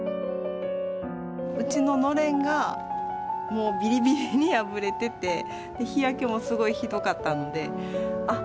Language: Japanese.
うちののれんがもうビリビリに破れてて日焼けもすごいひどかったのであっ